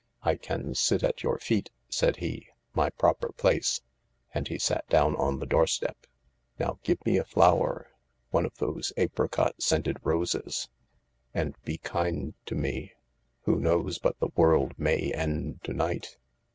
" I can sit at your feet," said he —" my proper place," and he sat down on the doorstep. "Now give me a flower — one of those apricot scented roses — and be kind to me. Who knows but the world may end to night